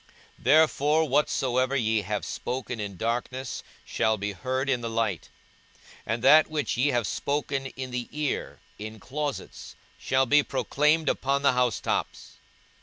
42:012:003 Therefore whatsoever ye have spoken in darkness shall be heard in the light; and that which ye have spoken in the ear in closets shall be proclaimed upon the housetops.